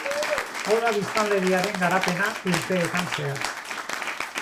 Hau da biztanleriaren garapena urteetan zehar.